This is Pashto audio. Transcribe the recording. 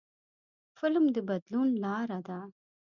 فلم د بدلون لاره ده